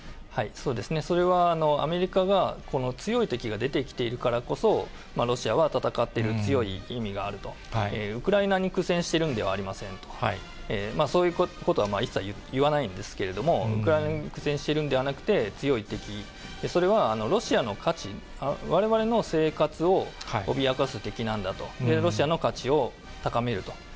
そうですね、それはアメリカが強い敵が出てきているからこそ、ロシアは戦っている、強い意味があると、ウクライナに苦戦しているんではありませんと、そういうことは一切言わないんですけれども、ウクライナに苦戦しているんではなくて、強い敵、それはロシアの価値、われわれの生活を脅かす敵なんだと、ロシアの価値を高めると。